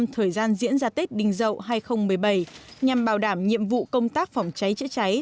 thời gian diễn ra tết đình dậu hai nghìn một mươi bảy nhằm bảo đảm nhiệm vụ công tác phòng cháy chữa cháy